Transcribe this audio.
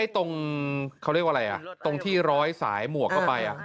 ตรงที่ร้อยสายหมวกไป